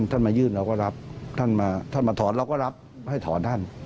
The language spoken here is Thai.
ท่านมายื่นเราก็รับท่านมาถอนเราก็รับให้ถอนท่าน